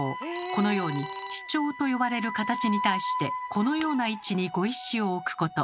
このようにシチョウと呼ばれる形に対してこのような位置に碁石を置くこと。